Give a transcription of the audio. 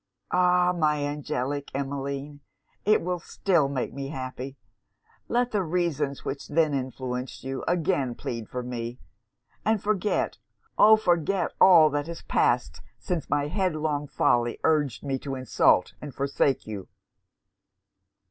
'Ah! my angelic Emmeline! it will still make me happy! Let the reasons which then influenced you, again plead for me; and forget, O! forget all that has passed since my headlong folly urged me to insult and forsake you!'